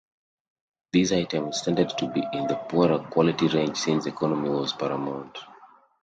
These items tended to be in the poorer quality range since economy was paramount.